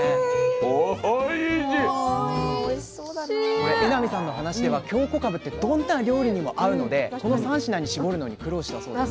これ榎並さんの話では京こかぶってどんな料理にも合うのでこの３品に絞るのに苦労したそうです。